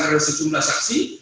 dari sejumlah saksi